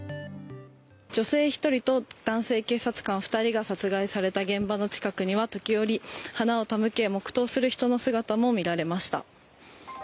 女性１人と男性警察官２人が殺害された現場の近くには時折、花を手向け黙とうする人の姿も見られました。